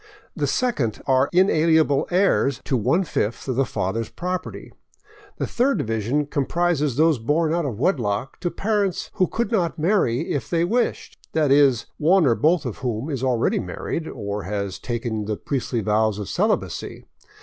The second are inalienable heirs to one fifth the father's property. The third division comprises those born out of wedlock to parents who could not marry if they wished, — that is, one or both of whom is already married, or has taken the priestly vows of celibacy.